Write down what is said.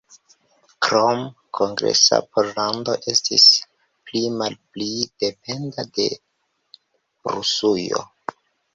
Krome Kongresa Pollando estis pli-malpli dependa de Rusujo.